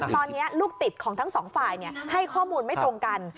ตอนนี้ลูกติดของทั้งสองฝ่ายให้ข้อมูลไม่ตรงกัน